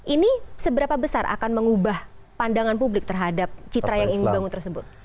ini seberapa besar akan mengubah pandangan publik terhadap citra yang ingin dibangun tersebut